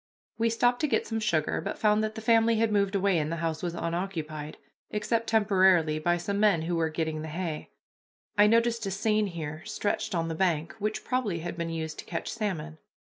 We stopped to get some sugar, but found that the family had moved away, and the house was unoccupied, except temporarily by some men who were getting the hay. I noticed a seine here stretched on the bank, which probably had been used to catch salmon.